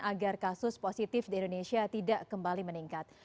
agar kasus positif di indonesia tidak kembali meningkat